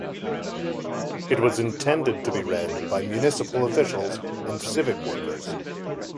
It was intended to be read by municipal officials and civic workers.